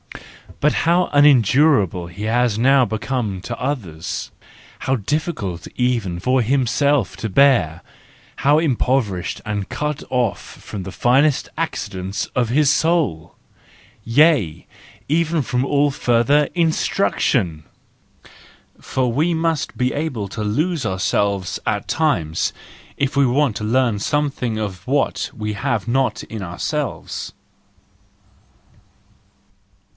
But how unendurable he has now become to others, how difficult even for himself to bear, how impoverished and cut off from the finest accidents of his soul! Yea, even from all further instruction ! For we must be able to lose ourselves at times, if we want to learn something of what we have not in ourselves.